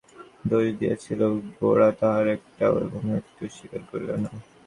অপর পক্ষে হিন্দুসমাজকে যতগুলি দোষ দিয়াছিল গোরা তাহার একটাও এবং একটুও স্বীকার করিল না।